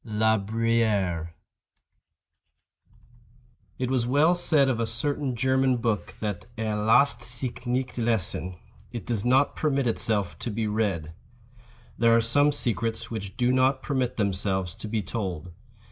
—La Bruyère. It was well said of a certain German book that "er lasst sich nicht lesen"—it does not permit itself to be read. There are some secrets which do not permit themselves to be told.